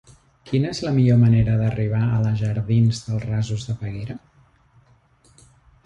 Quina és la millor manera d'arribar a la jardins dels Rasos de Peguera?